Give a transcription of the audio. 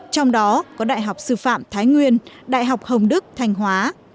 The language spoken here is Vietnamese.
trong đó có đại học sư phạm thái nguyên đại học hồng đức thanh hóa